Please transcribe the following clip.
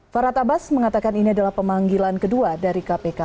farat abbas mengatakan ini adalah pemanggilan kedua dari kpk